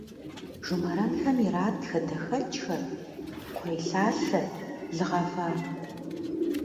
Жумэрэнхэм ират хадэхэкӏхэр, кхъуейлъалъэ, лы гъэва.